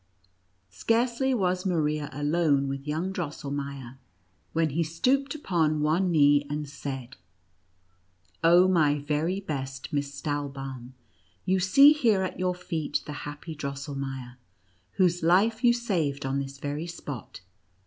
Scarcely was Maria alone with young Dros sehneier, when he stooped upon one knee, and said :" Oh, my very best Miss Stahlbaum, you see here at your feet the happy Drosselmeier, whose life you saved on this very spot.